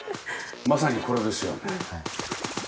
まさにこれですよね。